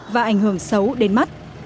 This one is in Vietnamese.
và ảnh hưởng xấu đến mắt